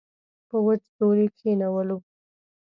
په وچ زور یې کښېنولو.